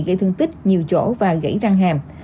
gây thương tích nhiều chỗ và gãy răng hàm